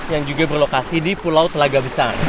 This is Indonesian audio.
yang juga berlokasi di pulau telaga besar